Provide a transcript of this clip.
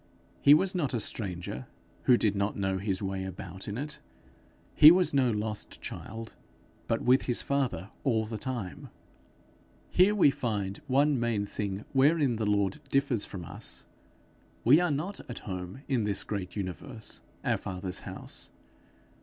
He was not a stranger who did not know his way about in it. He was no lost child, but with his father all the time. Here we find one main thing wherein the Lord differs from us: we are not at home in this great universe, our father's house.